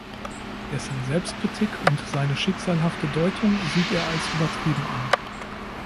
Dessen Selbstkritik und seine schicksalhafte Deutung sieht er als übertrieben an.